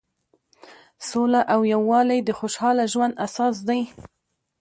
سوله او یووالی د خوشحاله ژوند اساس دی.